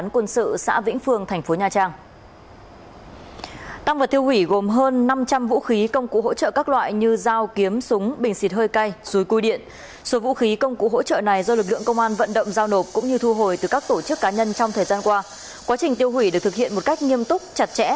quá trình tiêu hủy được thực hiện một cách nghiêm túc chặt chẽ